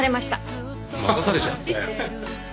任されちゃったよ。